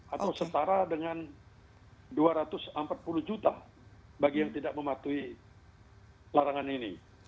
atau setara dengan dua ratus empat puluh juta bagi yang tidak mematuhi larangan ini